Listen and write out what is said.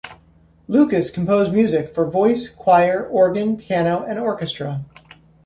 Lucas composed music for voice, choir, organ, piano and orchestra.